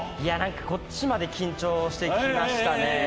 こっちまで緊張してきましたね。